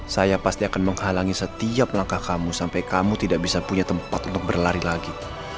saya pasti akan menghalangi setiap langkah kamu sampai kamu tidak bisa punya tempat untuk berlari lagi